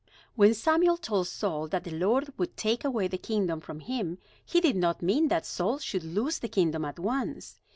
When Samuel told Saul that the Lord would take away the kingdom from him, he did not mean that Saul should lose the kingdom at once.